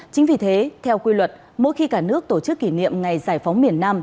chính vì thế theo quy luật mỗi khi cả nước tổ chức kỷ niệm ngày giải phóng miền nam